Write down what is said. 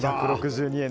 １６２円。